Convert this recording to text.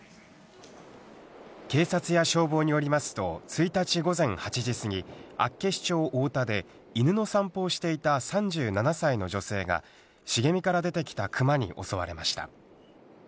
警察や消防によりますと、１日午前８時過ぎ、厚岸町太田で、犬の散歩をしていた３７歳の女性が、茂みから出てきたクマに襲われました。